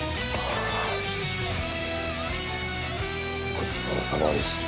ごちそうさまでした。